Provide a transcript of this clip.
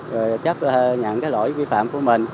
rồi chấp nhận cái lỗi vi phạm của mình